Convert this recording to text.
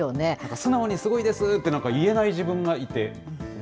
素直にすごいですって言えない自分がいて、。